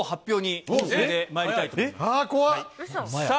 さあ、